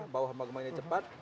bawah magmanya cepat